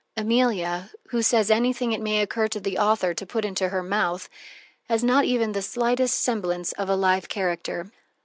Emilia, who says anything it may occur to the author to put into her mouth, has not even the slightest semblance of a live character.